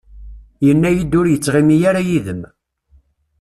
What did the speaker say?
Yenna-iyi-d ur yettɣimi ara yid-m.